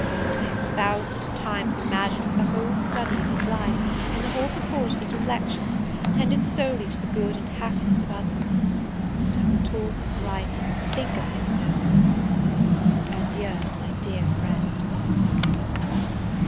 I have a thousand times imagined that the whole study of his life, and whole purport of his reflections, tended solely to the good and happiness of others: but I will talk, write, think of him no more! Adieu, my dear friend!